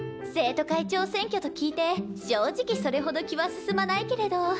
生徒会長選挙と聞いて正直それほど気は進まないけれど。